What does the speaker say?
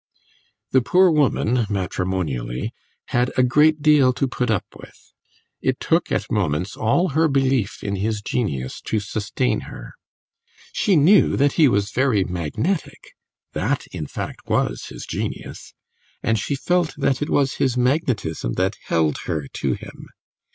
The poor woman, matrimonially, had a great deal to put up with; it took, at moments, all her belief in his genius to sustain her. She knew that he was very magnetic (that, in fact, was his genius), and she felt that it was his magnetism that held her to him.